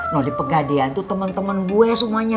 nah di pegadian tuh temen temen gue semuanya